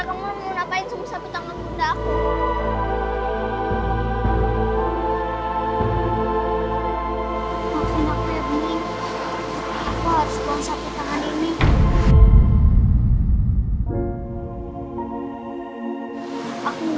kamu mau ngapain semua satu tangan bunda aku